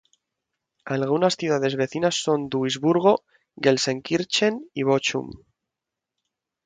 Algunas ciudades vecinas son Duisburgo, Gelsenkirchen y Bochum.